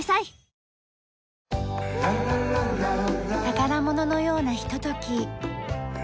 宝物のようなひととき。